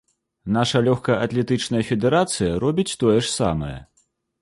Наша лёгкаатлетычная федэрацыя робіць тое ж самае.